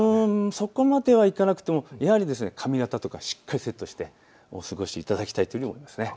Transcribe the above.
そこまではいかなくてもやはり髪形とかしっかりセットしてお過ごしいただきたいと思います。